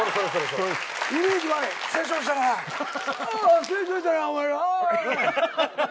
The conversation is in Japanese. あ成長したなぁお前らあ。